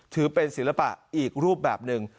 ถือเป็นศิลปะอีกรูปแบบหนึ่ง